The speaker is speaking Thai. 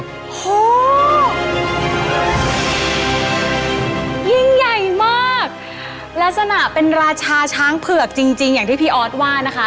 ยิ่งใหญ่มากลักษณะเป็นราชาช้างเผือกจริงจริงอย่างที่พี่ออสว่านะคะ